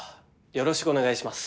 よろしくお願いします